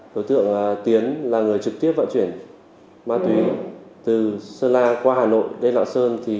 đối tượng tiến là người trực tiếp vận chuyển ma túy từ sơn la qua hà nội đây lạng sơn